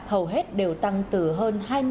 hầu hết đều tăng từ hơn hai mươi